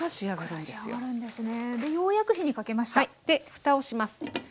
でふたをします。